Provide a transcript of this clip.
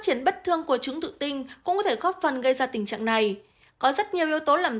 tổn thương của trứng tự tinh cũng có thể góp phần gây ra tình trạng này có rất nhiều yếu tố làm